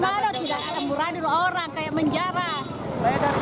bagaimana tidak akan muradil orang kayak menjarah